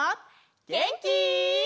げんき？